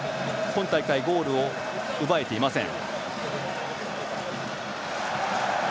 今大会、ゴールを奪えていません。